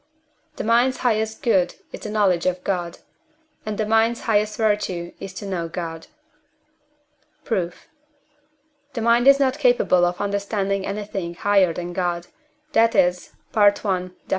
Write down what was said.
The mind's highest good is the knowledge of God, and the mind's highest virtue is to know God. Proof. The mind is not capable of understanding anything higher than God, that is (I. Def.